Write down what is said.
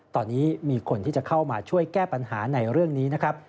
ตอนนี้มีคนที่จะเข้ามาช่วยแก้ปัญหาในเรื่องนี้นะครับ